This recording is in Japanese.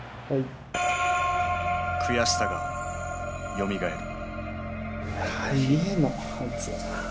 悔しさがよみがえる。